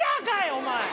お前。